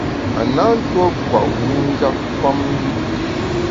A na ntuo kwet wi njap famjù.